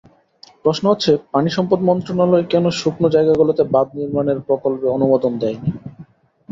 প্রশ্ন হচ্ছে পানিসম্পদ মন্ত্রণালয় কেন শুকনো জায়গাগুলোতে বাঁধ নির্মাণের প্রকল্পে অনুমোদন দেয়নি।